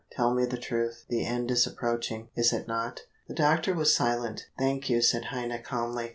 Tell me the truth the end is approaching, is it not?" The doctor was silent. "Thank you," said Heine calmly.